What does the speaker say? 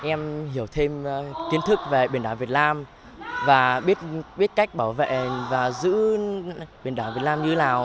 em hiểu thêm kiến thức về biển đảo việt nam và biết cách bảo vệ và giữ biển đảo việt nam như lào